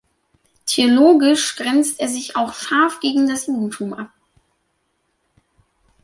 Theologisch grenzt er sich auch scharf gegen das Judentum ab.